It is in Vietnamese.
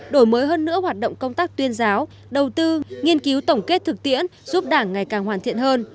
đổi mới hơn nữa hoạt động công tác tuyên giáo đầu tư nghiên cứu tổng kết thực tiễn giúp đảng ngày càng hoàn thiện hơn